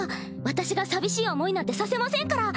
私が寂しい思いなんてさせませんから。